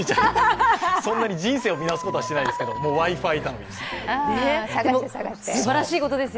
そんなに人生を見直すことはしてないですけどもうＷｉ−Ｆｉ頼みです。